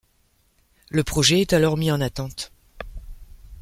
Le projet est alors mis en attente.